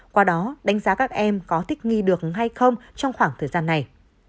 qua đó đánh giá các em có thích nghi được hay không trong khoảng thời gian này